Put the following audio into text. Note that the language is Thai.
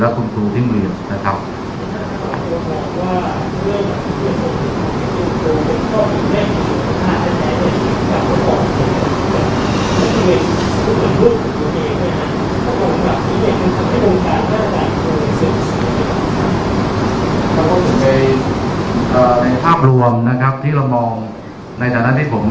ว่าเพื่อนตัวเป็นข้อแรกของครับที่เรามองในจากนั้นที่ผม